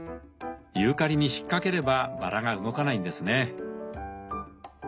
ユーカリに引っ掛ければバラが動かないんですね。